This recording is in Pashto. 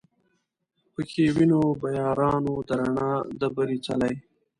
پکښی وینو به یارانو د رڼا د بري څلی